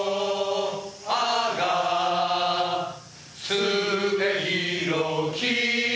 「すべ広き